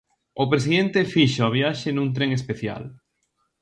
O presidente fixo a viaxe nun tren especial.